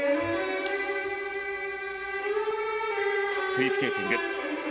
フリースケーティング。